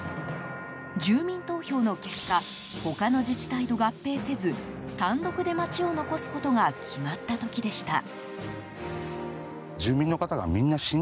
住民投票の結果他の自治体と合併せず単独で町を残すことが決まった時でした。